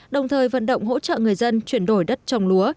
đồng thời vận động hỗ trợ người dân chuyển đổi đất trồng lúa